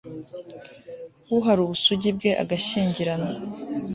uhara ubusugi bwe agashyingiranwa